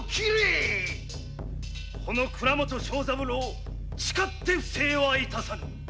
「この倉本正三郎誓って不正は致さぬ！」